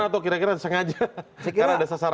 tidak terpikirkan atau kira kira sengaja